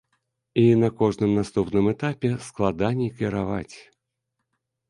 І на кожным наступным этапе складаней кіраваць.